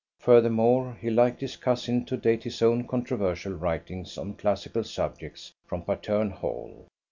Furthermore, he liked his cousin to date his own controversial writings, on classical subjects, from Patterne Hall.